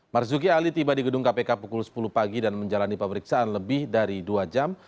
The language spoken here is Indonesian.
marzuki ali tiba di gedung kpk pukul sepuluh pagi dan menjalani pemeriksaan lebih dari dua jam